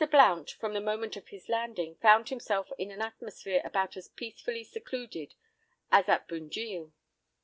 Blount, from the moment of his landing, found himself in an atmosphere about as peacefully secluded as at Bunjil.